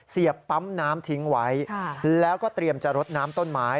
เสียบปั๊มน้ำทิ้งไว้แล้วก็เตรียมจะรดน้ำต้นไม้